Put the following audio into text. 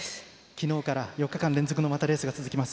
昨日から４日間続いてのレースが続きます。